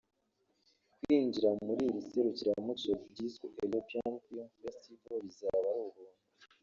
Kwinjira muri iri serukiramuco ryiswe “European Film Festival” bizaba ari ubuntu